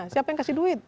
siapa yang kasih duit